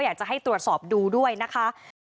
อยากจะให้ตรวจสอบดูด้วยนะคะ